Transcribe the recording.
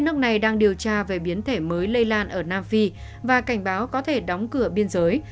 nước này đang điều tra về biến thể mới lây lan ở nam phi và cảnh báo có thể đóng cửa biên giới